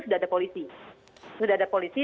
sudah ada polisi sudah ada polisi